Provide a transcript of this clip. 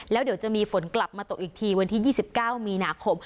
แล้วเดี๋ยวจะมีฝนกลับมาตกอีกทีวันที่๒๙มีนาคม